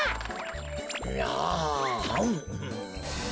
あん。